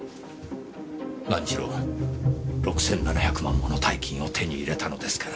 何しろ６７００万もの大金を手に入れたのですから。